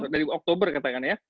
dari oktober katakanlah ya